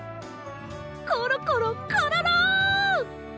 コロコロコロロ！